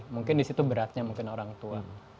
mungkin di situ beratnya mungkin orang tua